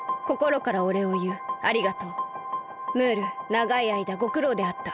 ながいあいだごくろうであった。